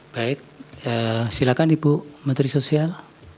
baik silakan ibu menteri sosial